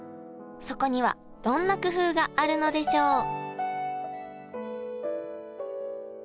そこにはどんな工夫があるのでしょう？